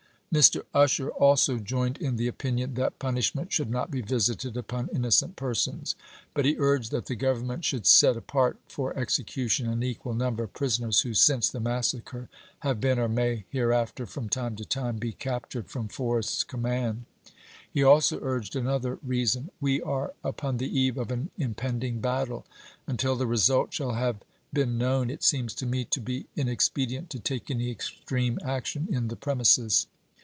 Mr. Usher also joined in the opinion that punish ment should not be visited upon innocent persons, but he urged " that the Government should set apart for execution an equal number of prisoners who since the massacre have been, or may here after from time to time be, captured from Forrest's command," He also urged another reason :" We are upon the eve of an impending battle. Until the result shall have been known it seems to me to be inexpedient to take any extreme action in the premises.